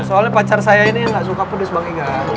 soalnya pacar saya ini gak suka pedas bang egan